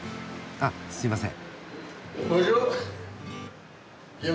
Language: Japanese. あっすいません。